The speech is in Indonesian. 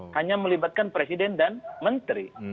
hanya melibatkan presiden dan menteri